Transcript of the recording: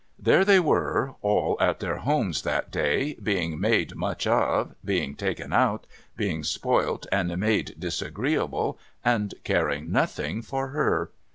There they were, all at their homes that day, being made much of, being taken out, being spoilt and made disagreeable, and caring nothing for her.